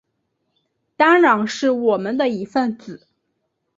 当然是我们的一分子